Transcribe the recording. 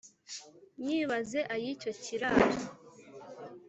nyibaze ay’icyo kirara